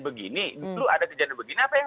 begini dulu ada kejadian begini apa yang